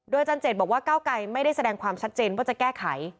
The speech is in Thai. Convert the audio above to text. อาจารย์เจตบอกว่าเก้าไกรไม่ได้แสดงความชัดเจนว่าจะแก้ไข